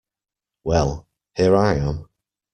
Well, here I am.